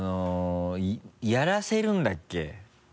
やらせるんだっけ？